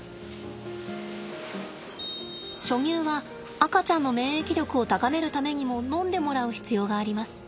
初乳は赤ちゃんの免疫力を高めるためにも飲んでもらう必要があります。